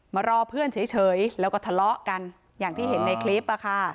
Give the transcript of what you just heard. มารอเพื่อนเฉยแล้วก็ทะเลาะกันอย่างที่เห็นในคลิป